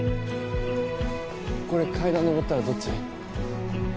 これ階段上ったらどっち？